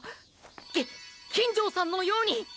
き金城さんのように！！